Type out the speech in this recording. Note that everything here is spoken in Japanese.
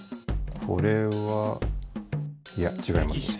これはいやちがいますね。